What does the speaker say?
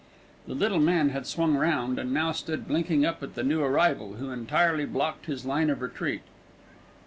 The little man had swung round, and now stood blinking up at the new arrival, who entirely blocked his line of retreat.